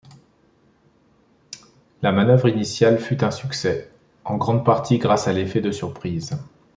La manœuvre initiale fut un succès, en grande partie grâce à l'effet de surprise.